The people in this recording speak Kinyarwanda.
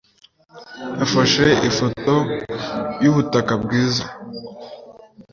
Yafashe ifoto yubutaka bwiza.